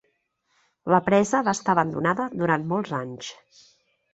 La presa va estar abandonada durant molts anys.